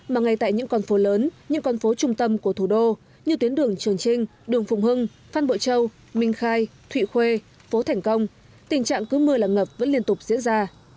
mà ngay tại những con phố lớn những con phố trung tâm của thủ đô như tuyến đường trường trinh đường phùng hưng phan bội châu minh khai thụy khuê phố thảnh công tình trạng cứ mưa là ngập vẫn liên tục diễn ra